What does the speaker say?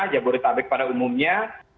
jabodetabek pada umumnya